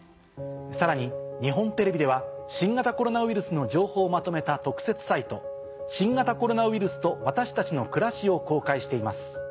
さらに日本テレビでは新型コロナウイルスの情報をまとめた。を公開しています。